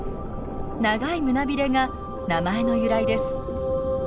長い胸ビレが名前の由来です。